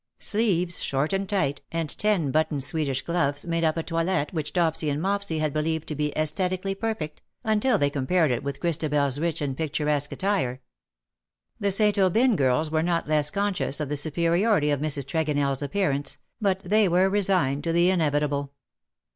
Sleeves short and tight^ and ten buttoned Swedish gloves, made up a toilet which Dopsy and Mopsy had believed to be sesthetioally per fect, until they compared it with Christabers rich and picturesque attire. The St. Aubyn girls were not less conscious of the superiority of Mrs. Trego nell's appearance, but they were resigned to the in evitable.